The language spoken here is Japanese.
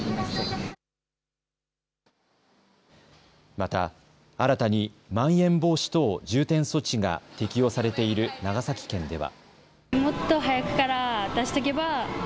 また、新たに、まん延防止等重点措置が適用されている長崎県では。